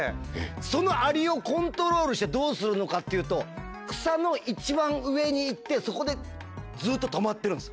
・そのアリをコントロールしてどうするのかっていうと草の一番上に行ってそこでずっと止まってるんです。